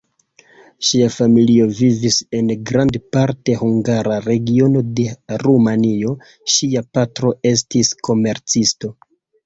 Ŝia familio vivis en grandparte hungara regiono de Rumanio; ŝia patro estis komercisto.